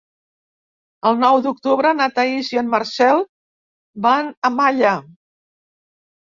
El nou d'octubre na Thaís i en Marcel van a Malla.